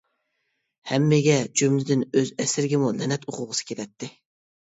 ھەممىگە، جۈملىدىن ئۆز ئەسىرىگىمۇ لەنەت ئوقۇغۇسى كېلەتتى.